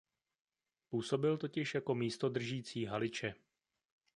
Působil totiž jako místodržící Haliče.